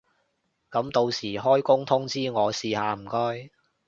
噉到時開工通知我試下唔該